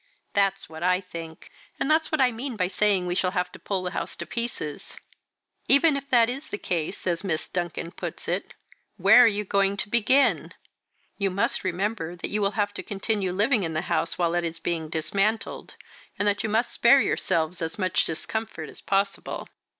"That's what I think, and that's what I mean by saying we shall have to pull the house to pieces." "Even if that is the case, as Miss Duncan puts it, where are you going to begin? You must remember that you will have to continue living in the house while it is being dismantled, and that you must spare yourselves as much discomfort as possible."